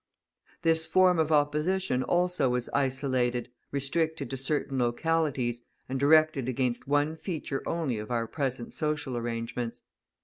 This form of opposition also was isolated, restricted to certain localities, and directed against one feature only of our present social arrangements.